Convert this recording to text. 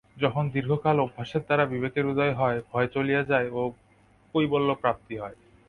যখন দীর্ঘকাল অভ্যাসের দ্বারা বিবেকর উদয় হয়, ভয় চলিয়া যায় ও কৈবল্যপ্রাপ্তি হয়।